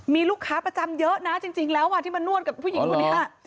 มีลูกค้าประจำเยอะนะจริงแล้วที่มานวดกับผู้หญิงคนนี้